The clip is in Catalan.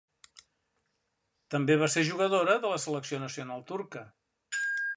També va ser jugadora de la selecció nacional turca.